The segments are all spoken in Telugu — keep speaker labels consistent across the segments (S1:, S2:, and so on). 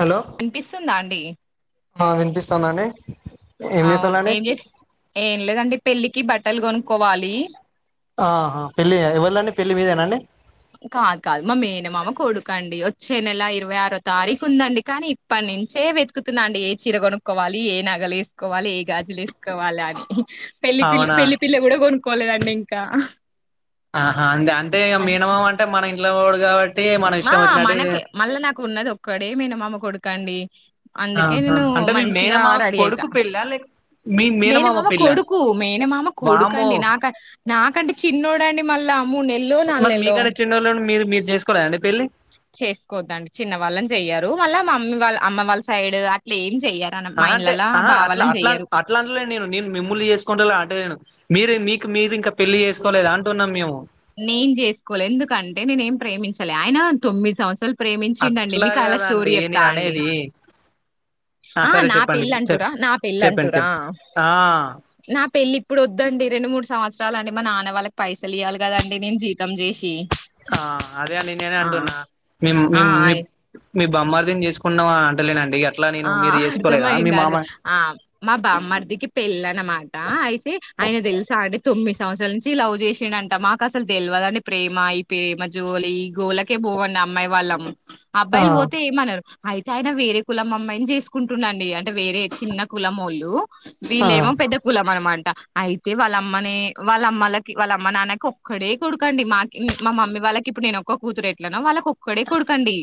S1: హలో
S2: అనిపిస్తుందాండి
S1: ఆ విన్పిస్తందాండి ఏం
S2: అవును
S1: చేస్తలండి
S2: ఏం చేస్ ఏం లేదండి పెళ్లికి బట్టల్ గొనుక్కోవాలి
S1: ఆహా పెళ్ళి ఎవ్వళ్దండి పెళ్ళి మీదేనా అండి
S2: కాదు కాదు మా మేనమామ కొడుకండి వచ్చే నెల ఇరవై ఆరో తారీఖు ఉందండి కానీ ఇప్పటి నుంచే వెతుకుతున్నా అండి ఏ చీర కొనుక్కోవాలి ఏ నగలు వేసుకోవాలి ఏ గాజులు వేసుకోవాల అని పెళ్లి పిల్
S1: అవునా
S2: పెళ్లి పిల్ల కూడా కొను పోలేదండి ఇంకా
S1: ఆహా అంతే అంటే
S2: అంతే
S1: మీనమా అంటే అంట మన ఇంలో ఓడు కాబట్టి మనం
S2: మా
S1: ఇష్టం వచ్చినట్టు
S2: మనకే మళ్ళా నాకు ఉన్నది ఒక్కడే మీన మామ కొడుకండి ఇ అందుకే
S1: ఆహా
S2: నేను
S1: అంటే మీ
S2: మంచిగా
S1: మేనమామ
S2: రెడీ అయితా
S1: కొడుకు పెళ్ళా లేక మీ
S2: మేనమామ
S1: పెళ్ళా
S2: కొడుకు మేనమామ
S1: వామ్మో
S2: కొడుకండి నాక నాకంటే చిన్నోడండి మళ్ళా మూడు నెల్లో నాలుగు
S1: మరి మీ
S2: నెల్లో
S1: కంటే చిన్నోళ్ళుని మీరు మీరు చేసుకోర అండి
S2: చేసుకోద్దండి చిన్న వాళ్ళని చెయ్యారు మళ్ళా మా అమ్మ వాళ్ళ అమ్మమ్మ వాళ్ళ సైడ్ అట్లే ఏం చెయ్యరు అన మా
S1: ఆహ అంటే
S2: ఇండ్లలా
S1: ఆహా అట్లా
S2: బావాలని
S1: అలా
S2: చెయ్యరు
S1: అట్లా అంటలేను నేను నేను మిమ్ముల్ని చేసుకుంట అంటలేను మీరే మీకు మీరు ఇంకా పెళ్లి చేసుకోలేద అంటున్నాం మేము
S2: నేను చేసుకోవాలే ఎందుకంటే నేనేం ప్రేమించాలే ఆయన తొమ్మిది సంవత్సరాలు ప్రేమించిండు అండి
S1: అట్లా
S2: మీకు అలా స్టోరీ
S1: కాదండి
S2: చెప్తా
S1: నేను
S2: అండి
S1: అనేది ఆ
S2: ఆహ్
S1: సరే
S2: నా
S1: చెప్పండి
S2: పెళ్ళి
S1: చెప్
S2: అంటూంరా నా పెళ్ళి
S1: చెప్పండి
S2: అంటూంరా
S1: చెప్ ఆ
S2: నా పెళ్ళి ఇప్పుడు వద్దండి రెండు మూడు సంవత్సరాలు అలానే మా నాన్న వాళ్ళకి పైసలు ఇయాలి కదండి నేను జీతం చేసి
S1: ఆ అదే అడి నేను
S2: ఆ
S1: అంటున్నా మీం మీం
S2: ఆ
S1: మీం మీ బామ్మర్ధిని చేసుకున్నావ అంటలేనండి అట్లా నేను
S2: ఆ
S1: మీరు చేసుకోలేదా మీ
S2: అర్ధమయింది అర్థం
S1: మామ
S2: ఆ మా బామ్మర్దికి పెళ్ళనమాట అయితే ఆయన తెలుసా అండి తొమ్మిది సంవత్సరాల నుంచి లవ్ చేసిండంట మాకు అసలు తెలవదండి ప్రేమ ఈ ప్రేమ జోలి ఈ గోళకే పోమండి అమ్మాయి వాళ్ళము
S1: ఆ
S2: అబ్బాయిలు పోతే ఏమన్నారు అయితే ఆయన వేరే కులం అమ్మయిని చేసుకుంటున్నాడండి అంటే వేరే చిన్న కులమోలు
S1: ఆ
S2: వీళ్ళేమో పెద్ద కులం అనమాట అయితే వాళ్ళమ్మనే వాళ్ళమ్మలకి వాళ్ళమ్మ నాన్నకి ఒక్కడే కొడుకండి మా మా మమ్మీ వాళ్ళకి ఇప్పుడు నేను ఒక్క కూతురు ఎట్లన వాళ్ళకి ఒక్కడే కొడుకండి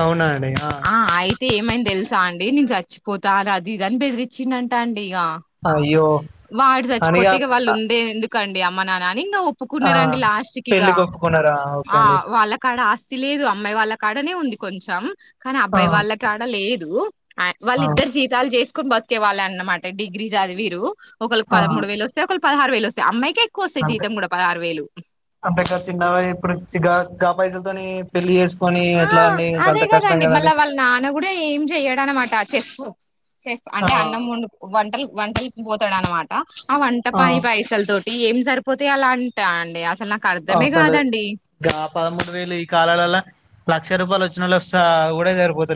S1: అవునా అండి ఆహ్
S2: ఆ అయితే ఏమైంది తెలుసా అండి నేను చచ్చిపోతాను అది ఇది అని బెదిరిచ్చిండంట అండి ఆహ్
S1: అయ్యో
S2: వాడు
S1: అనిగా
S2: చచ్చిపోతే ఇక వాళ్ళు ఉండేది ఎందుకు కుకండి అమ్మ నాన్న ఇంకా
S1: ఆ
S2: ఒప్పుకున్నారండి లాస్ట్ కి ఇగా
S1: పెళ్ళికి ఒప్పుకున్నారా ఓకే
S2: ఆ
S1: అండి
S2: వాళ్ళ కాడ ఆస్తి లేదు అమ్మాయి వాళ్ళ కాడనే ఉంది కొంచెం కానీ
S1: ఆ
S2: అబ్బాయి వాళ్ళక్ ఏదు వాళ్ళ
S1: ఆ
S2: ఇద్దరు జీతాలు చేసి స్కూల్ బతుకేవాలన్నమాట డిగ్రీ చదివిండ్రు ఒకళ్ళకు
S1: ఆ
S2: పదమూడు వేలుస్తే ఒకళ్ళ పదహారు వేలు లోస్తే అమ్మాయికే ఎక్కువ వస్తాయి
S1: అంతే
S2: జీతం కూడా పదహారు వేలు
S1: అంతే కాద చిన్నవై ఇప్పుడు కా పై ని పళ్లి
S2: ఆ అదే కదండి మళ్ళా వాళ్ళ నాన్న కూడా ఏం చెయ్యడ అనమాట కట్ చేసి పో చేస్
S1: ఆ
S2: అంటే అన్నం ముందు వంటలు వంటలికి పోతాడ అనమాట ఆ వంట పై
S1: ఆ
S2: పైసల్ తోన్ ఏం సరిపోతాయి అలా అంటా అండి అసలు నాక్
S1: అసలే వ్యాపారం ఉండదేలే ఈ కాలాలలా లక్ష రూపాయలు వచ్చిన లక్ష కూడా జరిపోతుంది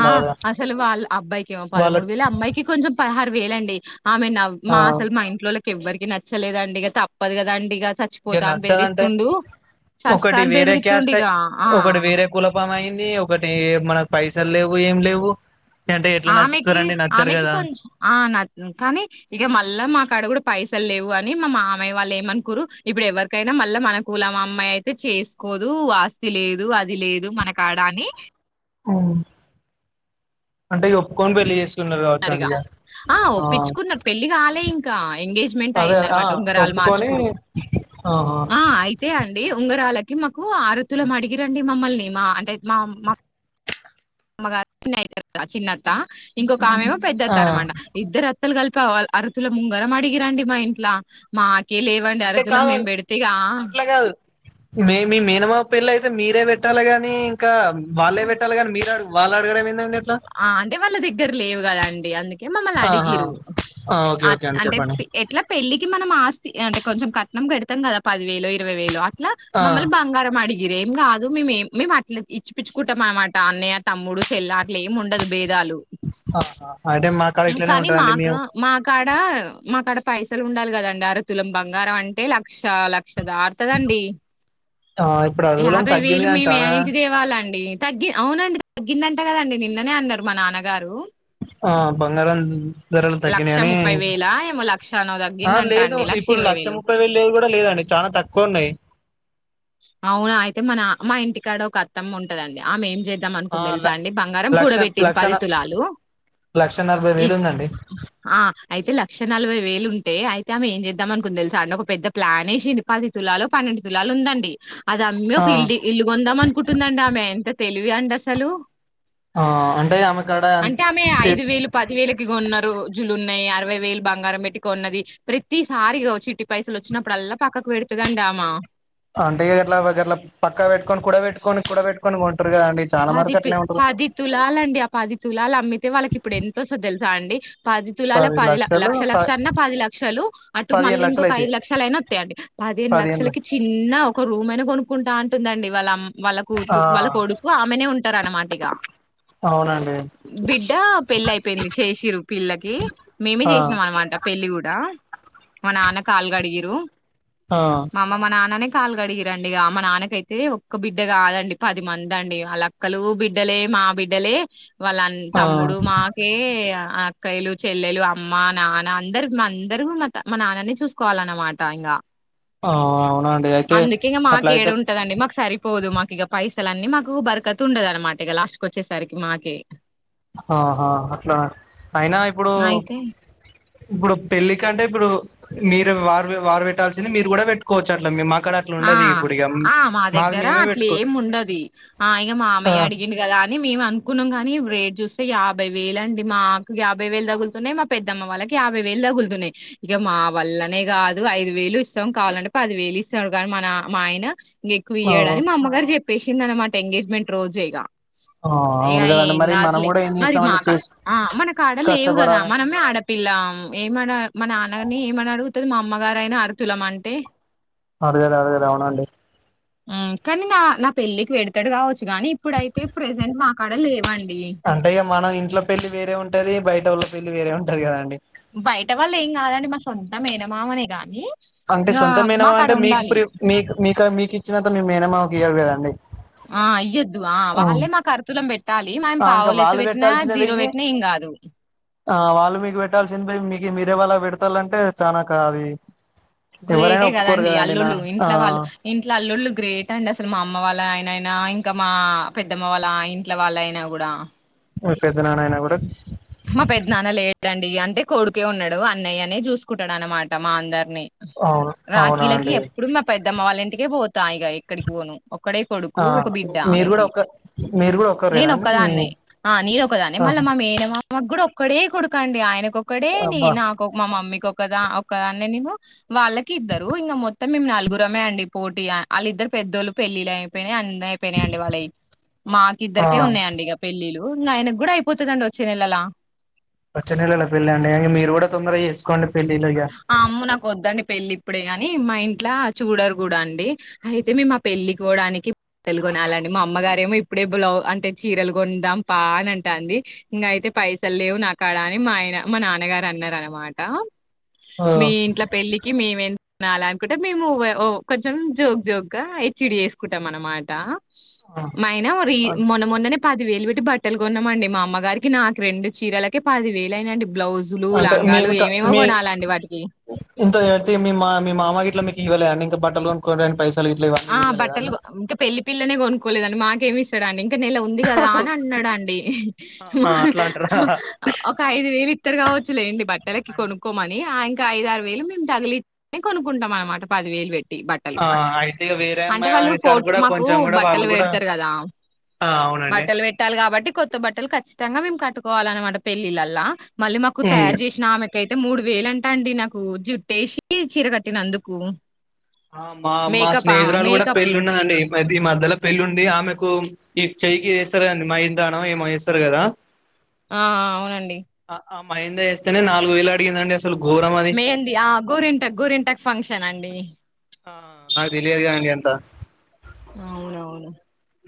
S2: ఆ అసలు వాళ్ళ అబ్బాయికి ఏమో
S1: వాళ్ళ
S2: పదమూడు వేలు అమ్మాయికి కొంచెం పహ వేలండి ఆమె నావ్
S1: ఆ
S2: మా అసలు మా ఇంట్లో ఎవరికి నచ్చలేదండి ఇక తప్పదు కదండి ఇక
S1: ఇగ
S2: చచ్చిపోతా అని
S1: నచ్చదంటే
S2: బెదిరిస్తుండు చస్తా
S1: ఒకటి
S2: అని
S1: వేరే
S2: బెదిరితుండు
S1: క్యాస్ట్ అయి
S2: ఇక ఆ
S1: ఒకటి వేరే కులపాము ఒకటి మనకు పైసలు లేవు ఏం లేవు అంటే ఎట్లా
S2: ఆమెకి
S1: నచ్చుతారండి నచ్చరు
S2: ఆమెకి
S1: కదా
S2: కొంచెం ఆ న కానీ ఇక మళ్ళా మా కాడ కూడ పైసలు లేవు. అని మా మామయ్యా వాళ్ళు ఏమనుకురు. ఇప్పుడు ఎవరికైనా మళ్ళా మన కులం అమ్మాయి అయితే చేసుకోదు, ఆస్తి లేదు, అది లేదు, మనకాడ అని.
S1: ఉమ్ అంటే ఒప్పుకొని పెళ్లి చేస్
S2: రిగా ఆ ఒప్పించుకున్నరు. పెళ్లి కాలే ఇంకా ఎంగేజ్మెంట్
S1: అదే
S2: అయింది
S1: ఆ
S2: అనమాట. ఉంగరాలు
S1: ఒప్పుకొని
S2: మార్చుకురు.
S1: ఆహా
S2: ఆ అయితే అండి ఉంగరాలు మాకు ఆరుతులం అడిగిరండి మమ్మల్ని మా అంటే మా మా మ చిన్న అయితు చిన్నత్త ఇంకొ ఒకామేమో పెద్ద అత్త
S1: ఆ
S2: అనమాట ఇద్దరు అ త్ లు కలిపా అరుతులం ఉంగరం అడిగిరండి మా ఇంట్లో మా లేవండి
S1: అంటే
S2: అరతులం మేం పెడితేగా
S1: మె మీ మేనమామ పిళ్ళి అయితే మీరే పెట్టాలి గాని ఇంకా వాళ్ళే పెట్టాలి కానీ మీరు అడు వాలనడుగడ ఏమైన్
S2: ఆ అంటే వాళ్ళ దగ్గర లేవు కద అండి. అందుకే మమ్మల్ని
S1: ఆహా
S2: అడిగిరు
S1: ఆ ఓకే ఓకే అండి
S2: అంటే
S1: చెప్పండి
S2: ఎట్లా పెళ్ళికి మనం ఆస్ అంటే కొంచెం కట్నం కడతాం కదా పది వేలు ఇరవై వేలు లా
S1: ఆ
S2: మమ్మల్ బంగారం అడిగి మీరేం కాదు మేమేం మేము అట్లా ఇచ్చి పుచ్చుకుంటాం అనమాట. అన్నయ్య తమ్ముడు చెల్ల అట్లేం ఉండది బే ధాలు
S1: ఆహా అంటే మా కాడ ఇట్లనే
S2: కానీ
S1: ఉంటదండి
S2: మాకు
S1: మేము
S2: మా కాడ మాకాడ పైసలు ఉండాలి కదండి. అరతులం బంగారం అంటే లక్ష లక్ జారుతదండి
S1: ఆ ఇప్పుడు అడవులం
S2: యాభై
S1: తగ్గింది
S2: వేలు
S1: కానీ
S2: మేము
S1: చానా
S2: యాడ్నుంచి తేవాలండి. తగ్గి అవునండి తగ్గిందంట కదండి నిన్ననే అన్నారు మా నాన్నగారు
S1: ఆ బంగారమ్
S2: లక్ష ముప్పై వేల ఏమో లక్షనో
S1: ఆ
S2: తగ్గిందంట
S1: లేదు
S2: అండి లక్ష
S1: ఇప్పుడు
S2: ఇరవై వేలు,
S1: ముప్పై లేదు కూడా లేదండి చాలా తక్కువ ఉన్నాయి
S2: అవునా అయితే మన మా ఇంటి ఇక్కడ ఒక అత్తమ్మ ఉంటదండి ఆమె మ్
S1: ఆ ల లక్ష లక్ష
S2: పది తులాలు
S1: లక్ష నలభై
S2: ఈ
S1: వేలు ఉందండి
S2: అయితే లక్ష నలభై వేలు ఉంటే అయితే, ఆమె ఏం చేద్దాం అనుకుంది తెలుసా అండి, ఒక పెద్ద ప్లాన్ వేసింది పది తులాలు పన్నెండు తులాలు ఉందండి అది అమ్మీ
S1: ఆ
S2: ఒక ఇల్దీ ఇల్లుగొందాం అనుకుంటుందండి ఆమె ఎంత తెలి ఇవే ఎండసలు
S1: ఆ అంటే ఆమె కాడ ఎంతే
S2: ముజ్జులు ఉన్నాయ్, అరవై వేలు బంగారం పెట్టి కొన్నది ప్రతిసారి చిట్టి పైసలు వచ్చినప్పుడల్లా పక్కకు పెడుతదండి అమా
S1: అంటే ఎట్లాగొట్లా పక్కకీ పెట్టుకొని కూడ పెట్టుకోని కూడ పెట్టుకొని కదండి చాలా
S2: పది
S1: వరకు
S2: తు
S1: అట్లే ఉంటారు
S2: పది తులాలండి ఆ పది తులాలు అమ్మితే వాళ్ళకి ఇప్పుడు ఎంతోస్తదో తెల్సు జాండి పది తులాల పది ల
S1: లక్షలు
S2: లక్ష
S1: ప
S2: లక్ష అన్న పది లక్షలు అటు
S1: పదిహేను
S2: మళ్ళీ
S1: లక్షలు
S2: ఇంకొక
S1: అయితాయి
S2: ఐదు లక్షలు అయిన వత్తాయి అండీ. పదిహేను లక్షలకి చిన్న ఒక రూమ్ అయిన కొనుకుంటామంటే టుందండి వాళమ్ వాళ్ళ కూతు
S1: ఆ
S2: వాళ్ళ కొడు కు ఆమెనే ఉంటరు అన్నమాటిగ
S1: అవునండి
S2: బిడ్డ పెళ్లి అయిపోయింది చేషిర్రు పిల్లకి మేమే
S1: ఆ
S2: చేసినాం అన్నమాట పెళ్లి గూడా మా నాన్న కాల్ కడిగిర్రు
S1: ఆ
S2: మా అమ్మ మా నాన్ననే కాళ్ళు కడిగిర్రండి ఇగ మా నాన్నకైతే ఒక్క బిడ్డ కాదండి పది మం దండి వాళ్ళక్కలు బిడ్డలే మా బిడ్డలే వాళ్ళన్
S1: ఆ
S2: తమ్ముడు మాకే అక్కయ్యలు చెల్లెలు అమ్మ నాన్న అందరుకు మందరు మా నాన్ననే చూసుకోవాలన్నమాట ఇంగ
S1: ఆ అవునండి అయితే
S2: అందుకే ఇగ
S1: అట్లా అయితే
S2: మాకేడుంటదండి మాకు సరిపోదు మా ఇగ పైసలన్నీ మాకు కు బర్కతుండదు అన్నమాట ఇగ లాస్ట్కుకొచ్చేసరికి మాకే
S1: హా హా అట్లనా అయినా ఇప్పుడు
S2: అయితే
S1: ఇప్పుడు పెళ్లి కంటే ఇప్పుడు మీరు వారు వారు పెట్టాల్సింది మీరు కూడా పెట్టుకోవచ్చు అట్ల మీ మా
S2: ఆ ఆ మా దగ్గర
S1: మేమే పెట్టుకో
S2: అట్లేం ఉండది అ ఇగ
S1: ఆ
S2: మామయ్య అడిగిండు కదా అని మేము అనుకున్నాం గాని రే చూస్తే యాభై వేలండి మాకు యాభై వేలు తగులుతున్నాయి మా పెద్దమ్మ వాళ్ళకి యాభై వేలు తగులుతున్నాయి ఇక మా వల్లనే కాదు ఐదు వేలు ఇస్తం కావాలంటే పది వేలిస్ తాడు గాని మన మా ఆయన నీకు
S1: ఆ
S2: ఇయ్యడు అని మా అమ్మగారు చెప్ పిలిచింద అన్నమాట ఎంగేజ్మెంట్ రోజె ఇగ
S1: ఆ
S2: ఏ
S1: అవును కదండి
S2: ఏం
S1: మరి మనం
S2: కాదులే,
S1: కూడా ఏం
S2: మరి
S1: చేస్తామని
S2: మాక
S1: చేసి
S2: ఆ మనకాడలేవు కదా
S1: కష్టపడాలి
S2: మనమే ఆడపిల్లం, ఏమ మ నాన్నగారిని ఏమనడుగుత మా అమ్మగారయినా అరతులమ అంటే
S1: అర్గద్ అర్గద్ అవునండి
S2: మ్ కానీ నా నా పెళ్ళికి పెడతడు కావచ్చు గానీ ఇప్పుడైతే ప్రెజెంట్ మా కాడ లేవం
S1: అంటే ఇగ మన ఇంట్లో పెళ్లి వేరే ఉంటది బయటో పెళ్ళి వేరే ఉంటది కదండి
S2: బయట వాళ్ళు ఏం కాదండి మా సొంత మేనమామనే గాని
S1: అంటే సొంత మేనమా అంటే మీక్ మీ మీకు ఇచ్చినంత మీ మేనమా ఈయలేదండి.
S2: ఆ అయ్యొద్దు ఆ వాళ్ళే మాక్ అర్తులం పెట్ పెట్టాలి. మేం
S1: ఆ ఇంకా
S2: పావులెత్తు
S1: వాళ్ళు
S2: పెట్టినా
S1: పెట్టాల్సిన
S2: జీరో
S1: వెయ్యి
S2: పెట్టినా ఏం కాదు
S1: ఆ వాళ్ళు మీకు పెట్టాల్సింది పోయి మీ మీరే వాళ్ళక్ పెడతాంలంటే చనా కా అది ఎవరైనా
S2: గ్రేటే
S1: ఒప్పుకోరు
S2: కదండి
S1: నా
S2: అల్లుళ్లులు
S1: ఆ
S2: ఇంట్ల వాళ్ళు ఇంట్లో అల్లుళ్లులు గ్రేట్ అండి అసలు మా అమ్మ వాళ్ళ ఆయన అయినా ఇంకా మా పెద్దమ్మ వాళ్ళ ఇంట్ల వాళ్ళ అయినా కూడా
S1: ఓకే
S2: మా పెద్ద నాన్న లేడం అంటే కొడుకే ఉన్నడు. అన్నయ్యనే చూస్కుంటడు అన్నమాట మా అందర్ని
S1: అవును అవునా
S2: రాఖీలకి
S1: అండి
S2: ఎప్పుడు మా పెద్దమ్మ వాళ్ళ ఇంటికే పో హాయిగా ఎక్కడికి పోను ఒక్కడే కొడుకు
S1: ఆ
S2: ఒక బిడ్డ
S1: మీరు కూడా
S2: ఆమెకి
S1: ఒక మీరు కూడా ఒక్కరేనా అండి మీ
S2: నేనొక్కదాన్నే ఆ నేనొక్కదాన్ మళ్ళ
S1: ఆహా
S2: మా మేనమామక్ గుడ ఒక్కడే కొడకండి ఆయనకు ఒక్కడే నే
S1: అబ్బా
S2: నాక్ మా మమ్మీకొ ఒకదా ఒక్కదాన్నే నేను వాళ్ళకి ఇద్దరు ఇంక మొత్తం మేం నలుగురమే అండి పోటీ ఆల్ ఇద్దరు పెద్దోళ్ళు పెళ్ళిళ్ళయిపోయినా అన్ని అయిపోయినయండి వాళ్ళయి మాకిద్దరికే
S1: ఆ
S2: ఉన్నాయండి ఇగ పెళ్ళిలు ఆయన గూడ పొతదండి వచ్చే నెలలా
S1: వచ్చే నెలల పళ్ళి అండి మీరు గుడ తొందరగా చేస్కోండి
S2: ఆ అమ్మో నాక్ వద్దండి పెళ్ళి ఇప్పుడే గని మా ఇంట్ల చూడరు గుడా అండి అయితే మేం ఆ పెళ్ళి పోడానికి పుస్తెలు కొనాలండి. మా అమ్మగారేమో ఇప్పుడే బ్లౌ అంటే చీరలు కొందాం పా అని అంటాంది. ఇంగ అయితే పైసల్ లేవు నా కాడా అని మా ఆయన మా నాన్నగారు అన్నారన్నమాట
S1: ఆ
S2: మీ ఇంట్ల పెళ్ళికి మేమేన్ నాలా అనుకుంటే మేము కొంచెం జోక్ జోక్గా హెచ్డి వేస్కుంటాం అన్నమాట మైనా మరి ఈ మొన్న మొన్ననే పదివేలు పెట్టి బట్టలు కొన్నామండి మా అమ్మగారికి నాకు రెండు చీరలకే పది వేలు అయినయండి. బ్లౌజులు,
S1: అంటే
S2: లంగాలు
S1: మేము క
S2: ఏమేమో
S1: మీ
S2: కొనాలని
S1: ఇంత పెడితే మీ మా మీ మామ గిట్ల మీ ఇవ్వాలే అండి ఇంకా బట్టల్ కొనుక్కోడానికి పై
S2: ఆ బట్టలు ఇంకా పెళ్లి పిల్లనే గొన్ కోలేదండి. మాకేమిస్తడండీ. ఇక నెల ఉంది గదా అని అన్నడండీ.
S1: ఆహా అట్లా అంటారా
S2: ఒక ఐదు వేలు ఇత్తడు కావచ్చులేండి బట్టలకి కొనుక్కోమనీ ఆ ఐ ఇక ఐదు ఆరు వేలు మేము తగిలి మేం కొనుకుంటాం అనమాట పది వేలు పెట్ ట్టీ బట్టలు.
S1: ఆ అయితే ఇగ వేరే
S2: అంటే వాళ్ళు
S1: అమ్మాయి గారు
S2: ఫోట్
S1: కూడా
S2: మాకూ
S1: కొంచెం కూడా వాళ్ళు
S2: బట్టలు
S1: కూడా
S2: పెడతరు గదా.
S1: ఆ అవునండి
S2: బట్టలు పెట్టాలి కాబట్టి కొత్త బట్టల్ ఖచ్ ఖచ్చితంగా మేమ్ కట్టుకోవాలన్నమాట పెళ్ళిళ్లలా. మళ్ళీ మాకు
S1: ఉమ్
S2: తయారు చేశినా ఆమెక్ ఇకైతే మూడు వేలు అంటా అండి నాకూ జుట్టేసి చీర కట్టినందుకూ.
S1: ఆ మా మా స్నేహితురాలు కూడా పెళ్ళి ఉన్నదండి అయితే ఈ మధ్యలో పెళ్ళి ఉండీ ఆమెకూ, ఈ చెయ్యికీ ఏస్తరు కదండి మై దానం ఏమో ఏస్తరు గదా.
S2: ఆ అవునండి.
S1: ఆ మహేంది ఏస్తనే నాలుగు వేలు అడిగిందండి అస
S2: మెహిందీ ఆ గూరింటాక్ గూరింటాక్ ఫంక్షన్ అండీ.
S1: ఆ నాక్ తెలియదు గదా అండి అంతా.
S2: అవునవును.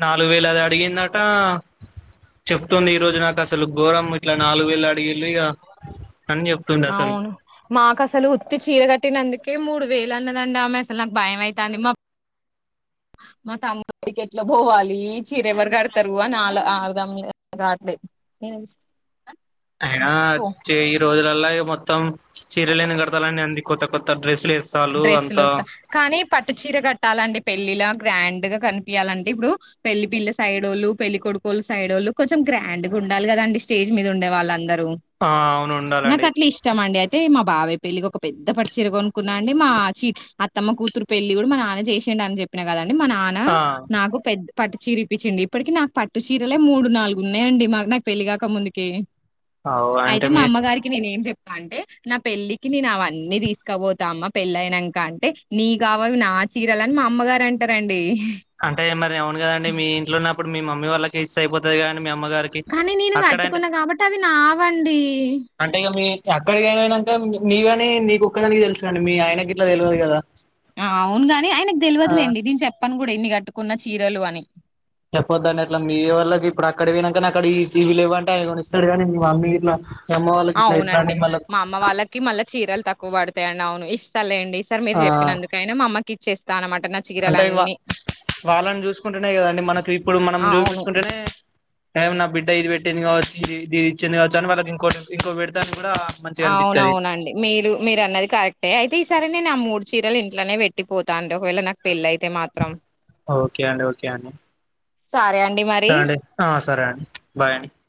S1: నాలుగు వేలు అది అడిగిందటా. చెప్తుంది ఈ రోజు నాక్ అసలు ఘోరం ఇట్లా నాలుగు వేలు అడిగిల్లు ఇగా
S2: అవును మాకు అసలు ఉత్తి చీర కట్టినందుకే మూడు. వేలు అన్నదండి ఆమె అసల్ నాకు భయం అయితాంది. మా మా తమ్ముడి పెళ్ళికీ ఎట్లా పోవాలీ చీర ఎవరు కడతరూ అని అర్దం గాట్లేద్.
S1: అయినా వచ్చే ఈ రోజులల్లా. మొత్తం చీరలని కడతాలని అంది కొత్త కొత్త డ్రెస్సులు వేస్తాళ్ళు అంత
S2: డ్రెస్సులుత్తా కానీ పట్టు చీర కట్టాలండి పెళ్ళిళా. గ్రాండ్ గా కనిపీయాల అంటే ఇప్పుడూ పెళ్లి పిల్ల సైడ్ ఓళ్ళు, పెళ్లి కొడుకోళ్లు సైడ్ ఓళ్ళు కొంచెం గ్రాండ్గుండాలి కదా అండీ స్టేజ్ మీద ఉండే వాళ్ళందర్. రూ.
S1: ఆ అవును
S2: నాక్
S1: ఉండాలండి
S2: అట్లా ఇష్టం అండి అయితే మా బావ పెళ్లికి ఒక పెద్ద పట్టు చీరకొన్ న్నా అండి మా ఛీ అత్తమ్మ కూతురు పెళ్లి కూడా మా నాన్న చేసేండని చెప్పిన కదండి. అ మా నాన్న
S1: ఆ
S2: నాకు పెద్ద పట్టు చీర ఇప్పించిండు. ఇప్పటికీ నాకు పట్టు చీరలే మూడు నాలుగు ఉన్నాయండి మాక్ నాకు పెళ్ళిగాక ముందుకే.
S1: అవు అంటే
S2: అయితే మా
S1: మీ
S2: అమ్మగారికి నేన్ ఏం చెప్ అంటే నా పెళ్ళికి నేను అవన్నీ తీసుకపోత్ తా అమ్మ పెళ్ళయినంకా అంటే నీవ్ గావవి నా చీరలని మా అమ్మగారు అంటారండీ.
S1: అంటే మరి అవును కదండి మీ ఇంట్లో ఉన్న ఇప్పుడు మీ మమ్మీవాళ్ళకి ఇస్ అయిపోతది కదా
S2: కానీ నేను కట్టుకున్నా కాబట్టి అవి నావండి
S1: అక్కడిక వోయినాకా నీవి అని నీకు ఒక్కదానికి తెలుసు కదా అండి మీ ఆయనకి ఇట్లా తెలియదు కదా
S2: అవునుగా ఆయనకు
S1: ఆ
S2: తెలివదులేండి నేను చెప్ప పప్పను కూడా ఇన్ని కట్టుకున్న చీరలు అని
S1: చెప్పొద్దండి అట్లా మీ వాళ్ళకి ఇప్పుడు అక్కడ పోయినాక అక్కడ ఇవి లేవంటే అవి కొనిస్తాడు కానీ మమ్మీ మీ అమ్మ వాళ్ళకి ఇట్లా ఎట్లాంటి
S2: అవునండి
S1: మళ్ళ
S2: మా అమ్మ వాళ్ళకి మళ్ళీ చీరలు తక్ క్కు పడతాయంండి అవును ఇస్తాలేండి ఈ సారి మీరు
S1: ఆ
S2: చెప్పినందుకైనా మామ్మకి చెస్
S1: అంటే వా వాళ్ళని చూసుకుంటేనే కదండి మనకి ఇప్పుడు మనం
S2: అవును.
S1: చూపిచ్చుకుంటనే. ఏం నా బిడ్డ ఇది పెట్టింది గావచ్చు ఇది ఇది ఇచ్చింది గావచ్చు అని వాళ్ళకి ఇంకోట్ ఇంకో పెడతాని.
S2: అవునవునండి మీరు మీరు అన్నది కరెక్టే అయితే ఈసారం నేను ఆ మూడు చీర ఇట్లోనే పెట్టిపోతా అడి ఒకవేళ నాకు పెళ్లి అయితే
S1: ఓకే అండి ఓకే అండి
S2: సరే అండి మరి.
S1: స అడి సరే అండి బాయ్ అండి